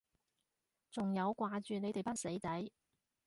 仲有掛住你哋班死仔